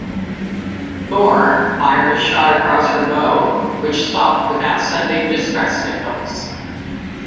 "Thor" fired a shot across her bow, which stopped without sending distress signals.